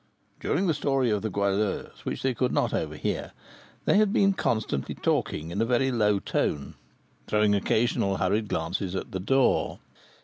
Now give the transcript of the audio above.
During the story of the Goualeuse, which they could not overhear, they had been constantly talking in a very low tone, throwing occasional hurried glances at the door.